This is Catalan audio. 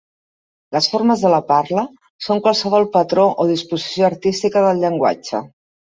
Les formes de la parla són qualsevol patró o disposició artística del llenguatge.